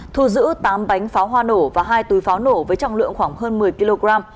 thu giữ tám bánh pháo hoa nổ và hai túi pháo nổ với trọng lượng khoảng hơn một mươi kg